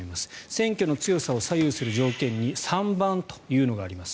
選挙の強さを左右する条件に三バンというのがあります。